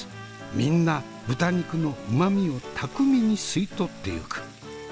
みんな豚肉の旨味を巧みに吸い取ってゆく。